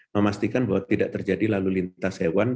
memastikan bahwa tidak terjadi lalu lintas hewan